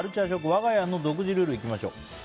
わが家の独自ルールいきましょう。